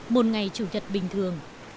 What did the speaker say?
một ngày chủ nhật bình thường